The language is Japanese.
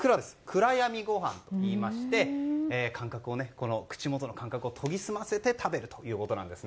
暗闇ごはんといいまして口元の感覚を研ぎ澄ませて食べるということなんです。